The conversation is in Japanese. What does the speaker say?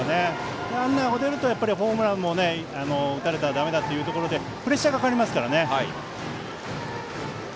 ランナーが出ると、ホームランも打たれたらだめだというところでプレッシャーがかかりますから。